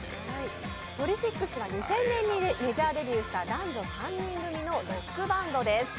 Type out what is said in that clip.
ＰＯＬＹＳＩＣＳは２０００年にメジャーデビューした男女３人のロックバンドです。